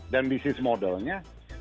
dan business modelnya